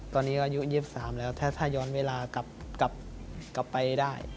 ตอนนี้อายุ๒๓แล้วถ้าย้อนเวลากลับไปได้